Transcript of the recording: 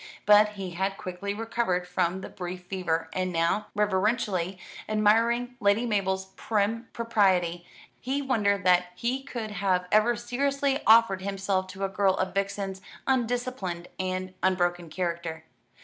But he had quickly recovered from the brief fever: and now, reverentially admiring Lady Mabel's prim propriety, he wondered that he could have ever seriously offered himself to a girl of Vixen's undisciplined and unbroken character.